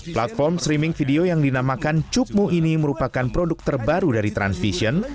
platform streaming video yang dinamakan cukmu ini merupakan produk terbaru dari transvision